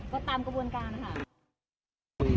ก็ตามกระบวนการค่ะ